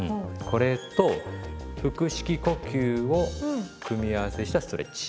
これと腹式呼吸を組み合わせしたストレッチ。